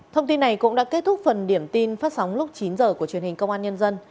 thông tin này cũng đã kết thúc phần điểm tin phát sóng lúc chín h của truyền hình công an nhân dân